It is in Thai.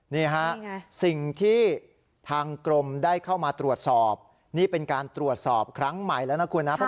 นี่ฮะสิ่งที่ทางกรมได้เข้ามาตรวจสอบนี่เป็นการตรวจสอบครั้งใหม่แล้วนะคุณนะ